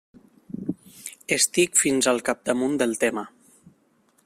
Estic fins al capdamunt del tema.